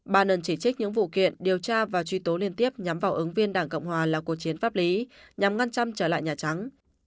ballen chỉ trích những vụ kiện điều tra và truy tố liên tiếp nhắm vào ứng viên đảng cộng hòa là cuộc chiến pháp lý nhằm ngăn chặn trở lại nhà trắng